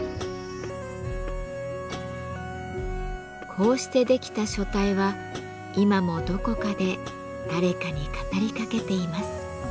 こうして出来た書体は今もどこかで誰かに語りかけています。